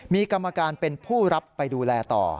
มีกรรมการเป็นผู้รับไปดูแลต่อ